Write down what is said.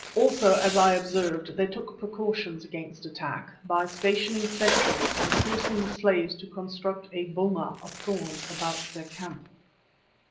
Also, as I observed, they took precautions against attack by stationing sentries and forcing the slaves to construct a boma of thorns about their camp.